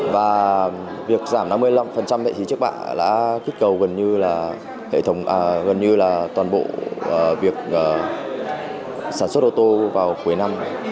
và việc giảm năm mươi năm lệ phí trước bạ đã kích cầu gần như là hệ thống gần như là toàn bộ việc sản xuất ô tô vào cuối năm